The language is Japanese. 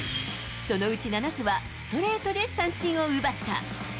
そのうち７つは、ストレートで三振を奪った。